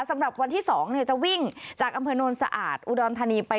สำหรับวันที่๒จะวิ่งจากอำเภอโนนสะอาดอุดรธานีไป